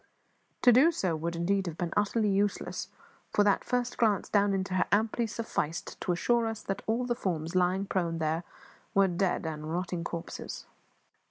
To do so would indeed have been utterly useless, for that first glance down into her amply sufficed to assure us all that the forms lying prone there were dead and rotting corpses.